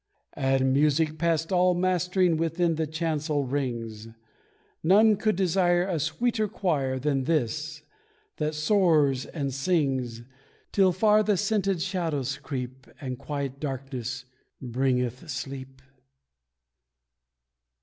And music past all mastering within the chancel rings; None could desire a sweeter choir Than this that soars and sings, Till far the scented shadows creep And quiet darkness bringeth sleep.